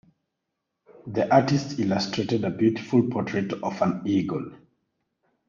The artist illustrated a beautiful portrait of an eagle.